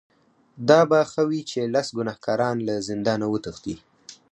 دا به ښه وي چې لس ګناهکاران له زندانه وتښتي.